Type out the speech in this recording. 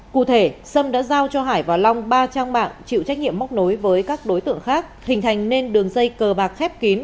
cụ thể sâm đã giao cho hải và long ba trang mạng chịu trách nhiệm móc nối với các đối tượng khác hình thành nên đường dây cờ bạc khép kín